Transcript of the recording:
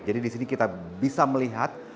jadi di sini kita bisa melihat